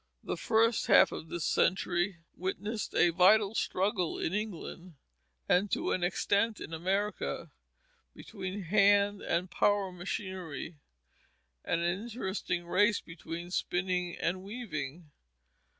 The first half of this century witnessed a vital struggle in England, and to an extent in America, between hand and power machinery, and an interesting race between spinning and weaving.